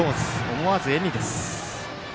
思わず笑みです。